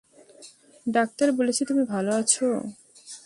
Doctor বলেছে তুমি ভালো আছ।